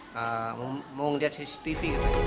mau lihat cctv